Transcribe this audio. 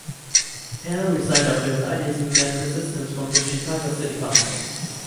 Taylor resigned after his ideas met resistance from the Chicago City Council.